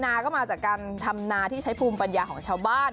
นาก็มาจากการทำนาที่ใช้ภูมิปัญญาของชาวบ้าน